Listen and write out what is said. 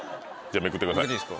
めくってください。